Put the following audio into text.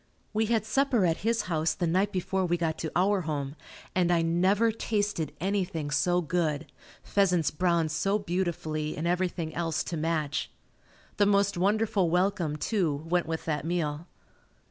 We had supper at his house the night before we got to our home, and I never tasted anything so good pheasants browned so beautifully and everything else to match. The most wonderful welcome, too, went with that meal.